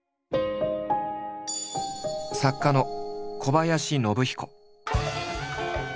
作家の小林信彦。